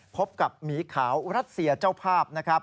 พบกับหมีขาวรัฐเสียเจ้าภาพ